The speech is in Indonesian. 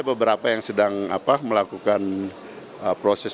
beberapa yang sedang melakukan proses